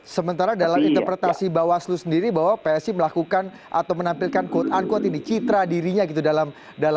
sementara dalam interpretasi bawaslu sendiri bahwa psi melakukan atau menampilkan quote unquote ini citra dirinya gitu dalam